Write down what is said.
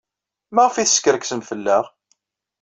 Maɣef ay teskerksem fell-aɣ?